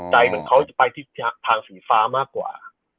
เหมือนเขาจะไปที่ทางสีฟ้ามากกว่า